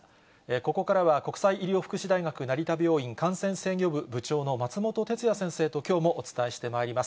ここからは国際医療福祉大学成田病院感染制御部部長の松本哲哉先生ときょうもお伝えしてまいります。